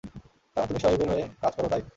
কারণ তুমি শোয়াইবের হয়ে কাজ করো তাই।